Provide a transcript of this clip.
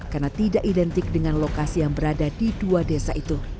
karena tidak identik dengan lokasi yang berada di dua desa itu